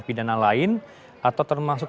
pidana lain atau termasuk